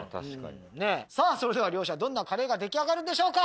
それでは両者どんなカレーが出来上がるんでしょうか。